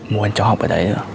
muốn cho học ở đấy nữa